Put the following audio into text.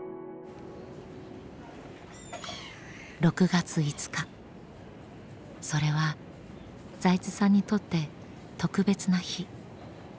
６月５日それは財津さんにとって特別な日。